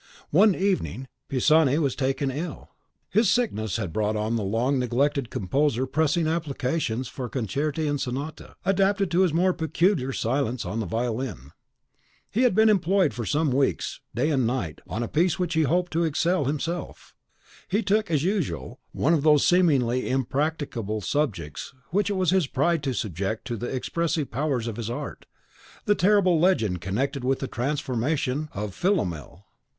One evening Pisani was taken ill. His success had brought on the long neglected composer pressing applications for concerti and sonata, adapted to his more peculiar science on the violin. He had been employed for some weeks, day and night, on a piece in which he hoped to excel himself. He took, as usual, one of those seemingly impracticable subjects which it was his pride to subject to the expressive powers of his art, the terrible legend connected with the transformation of Philomel.